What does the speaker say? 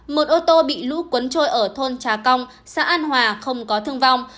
một ô tô bị lũ cuốn trôi ở thôn trà cong xã an hòa không có thương vong